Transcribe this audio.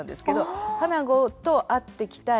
花子と会ってきたい